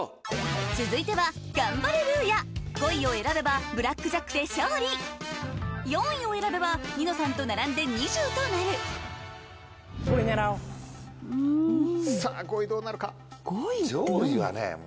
続いてはガンバレルーヤ５位を選べばブラックジャックで勝利４位を選べばニノさんと並んで２０となるさぁ５位どうなるか？